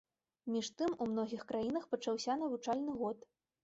Між тым у многіх краінах пачаўся навучальны год.